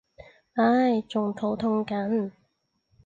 唉仲肚痛緊